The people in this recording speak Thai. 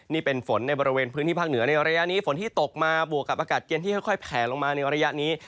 นี่เป็นฝนในบริเวณพื้นที่ภาคเหนือในระยะนี้ฝนที่ตกมาบวกกับอากาศเย็นที่ค่อยแผลลงมาในระยะนี้